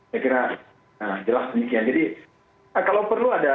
nah jelas demikian jadi kalau perlu ada